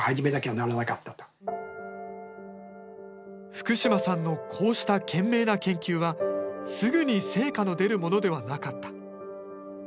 福島さんのこうした懸命な研究はすぐに成果の出るものではなかった。